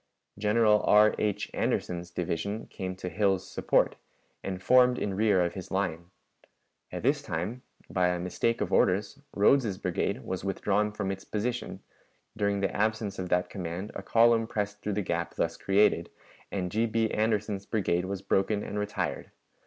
General R, H. Anderson's division came to Hill's support, and formed in rear of his line. At this time, by a mistake of orders, Rodes's brigade was withdrawn from its position; during the absence of that command a column pressed through the gap thus created, and G. B. Anderson's brigade was broken and retired.